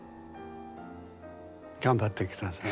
頑張ってください。